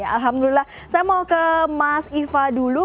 alhamdulillah saya mau ke mas iva dulu